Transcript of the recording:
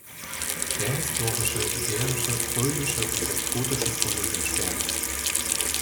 Prähistorische, iberische, römische und westgotische Funde sind spärlich.